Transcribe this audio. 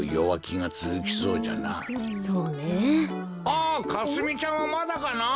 あかすみちゃんはまだかな？